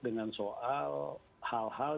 dengan soal hal hal